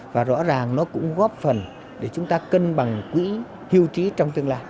và rõ ràng nó cũng góp phần để chúng ta cân bằng quỹ hưu trí trong tương lai